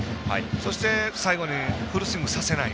そして、最後にフルスイングさせない。